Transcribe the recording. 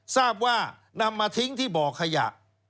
ทราบว่านำมาทิ้งที่บ่อขยะ